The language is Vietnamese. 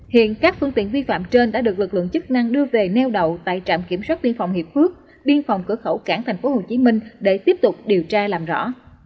hiện các phương tiện vi phạm trên đã được lực lượng chức năng đưa về neo đậu tại trạm kiểm soát biên phòng hiệp phước biên phòng cửa khẩu cảng tp hcm để tiếp tục điều tra làm rõ